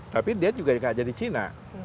tapi dia juga jadi china